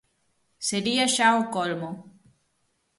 Sería xa o colmo.